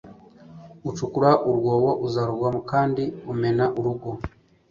Ucukura urwobo azarugwamo kandi umena urugo